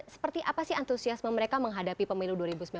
seperti apa sih antusiasme mereka menghadapi pemilu dua ribu sembilan belas